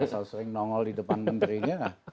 asal sering nongol di depan menterinya